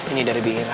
ini dari bingira